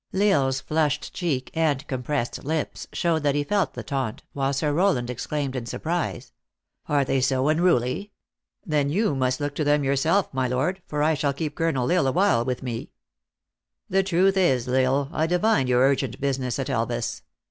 L Isle s flushed cheek and compressed lips, showed 386 THE ACTRESS IN HIGH LIFE. that he felt the taunt, while Sir Rowland exclaimed, in surprise: " Are they so unruly? Then you must look to them yourself, my lord, for I shall keep Colonel L Isle a while with me. The truth is, L Isle, I divine your urgent business at Elvas.